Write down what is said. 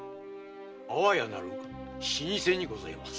安房屋なる老舗にございます。